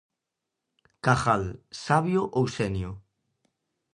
Cajal, sabio ou xenio?